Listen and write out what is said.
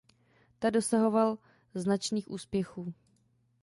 Ta dosahoval značných úspěchů.